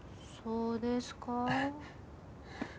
そうですか？